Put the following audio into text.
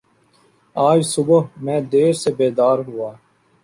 آج صبح میں دیر سے بیدار ہوا